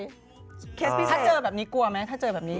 ถ้าเจอแบบนี้กลัวไหมถ้าเจอแบบนี้